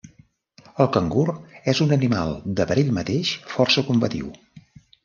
El cangur és un animal de per ell mateix força combatiu.